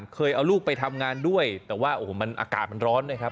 เคยเอาลูกไปทำงานด้วยแต่ว่าอากาศมันร้อนด้วยครับ